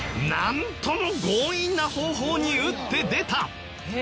なんとも強引な方法に打って出た！